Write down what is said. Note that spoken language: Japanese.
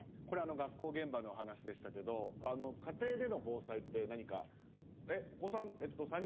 これはあの学校現場の話でしたけど家庭での防災って何か。